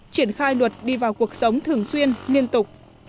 triển khai luật đi vào cuộc sống thường xuyên liên tục